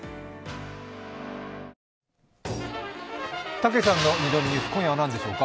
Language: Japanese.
たけしさんの「２度見ニュース」、今夜は何でしょうか。